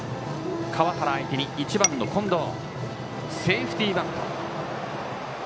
川原相手に１番、近藤がセーフティーバント。